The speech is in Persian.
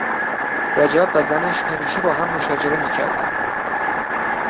رجب و زنش همیشه با هم مشاجره میکردند.